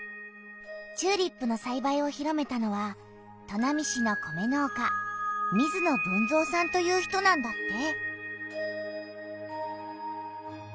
チューリップのさいばいを広めたのは砺波市の米農家水野豊造さんという人なんだって！